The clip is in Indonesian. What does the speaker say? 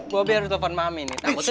gua biar di telpon mami nih